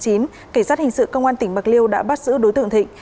cảnh sát hình sự công an tỉnh bạc liêu đã bắt giữ đối tượng thịnh